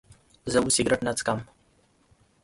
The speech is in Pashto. زه اوس سيګرټ نه سکم